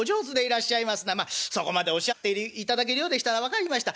まあそこまでおっしゃっていただけるようでしたら分かりました。